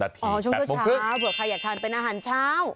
ช่วงเช้าเผื่อใครอยากทานเป็นอาหารเช้า